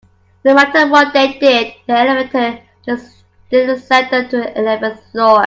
No matter what they did, the elevator just didn't send them to the eleventh floor.